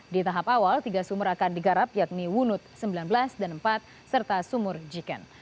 di tahap awal tiga sumur akan digarap yakni wunut sembilan belas dan empat serta sumur jiken